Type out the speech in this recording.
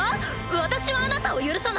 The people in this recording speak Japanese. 私はあなたを許さない！